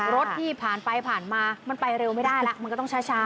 รถที่ผ่านไปผ่านมามันไปเร็วไม่ได้แล้วมันก็ต้องช้า